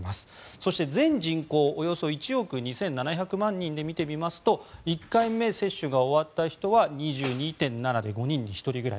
そして、全人口およそ１億２７００万人で見てみますと１回メッセージが終わった人は２２．７％で５人に１人ぐらい。